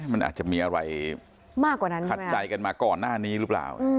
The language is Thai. มันอาจจะมีอะไรมากกว่านั้นขัดใจกันมาก่อนหน้านี้หรือเปล่า